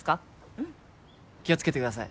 うん気をつけてください